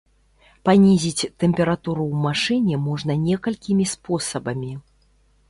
Панізіць тэмпературу ў машыне можна некалькімі спосабамі.